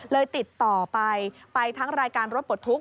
ติดต่อไปไปทั้งรายการรถปลดทุกข